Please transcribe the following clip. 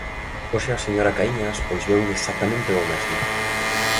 Hoxe a señora Caíñas pois veu exactamente ao mesmo.